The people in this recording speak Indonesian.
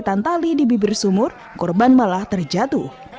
ketika korban terpeleset di bibir sumur korban malah terjatuh